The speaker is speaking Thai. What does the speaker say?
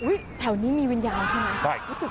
อุ๊ยแถวนี้มีวิญญาณใช่ไหมอู๋ใช่